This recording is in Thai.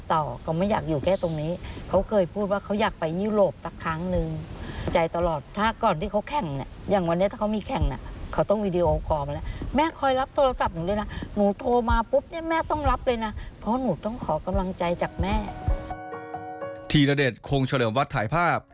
ที่ตาเดจโครงเฉลิมวัดถ่ายภาพ